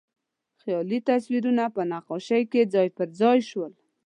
خیالي تصویرونه په نقاشۍ کې ځای پر ځای شول.